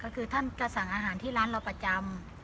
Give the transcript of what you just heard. ก็คือท่านจะสั่งอาหารที่ร้านเราประจำ